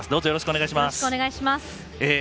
よろしくお願いします。